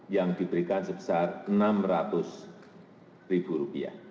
yang diberikan sebesar rp enam ratus